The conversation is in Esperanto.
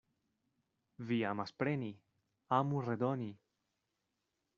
Vi amas preni, amu redoni.